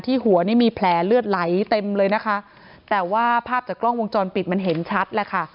หัวนี่มีแผลเลือดไหลเต็มเลยนะคะแต่ว่าภาพจากกล้องวงจรปิดมันเห็นชัดแหละค่ะ